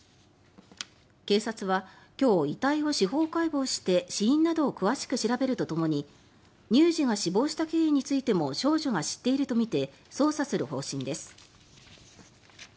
警察は今日、遺体を司法解剖して死因などを詳しく調べるとともに乳児が死亡した経緯についても少女が知っているとみて捜査する方針です。